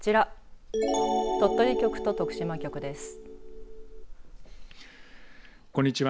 こんにちは。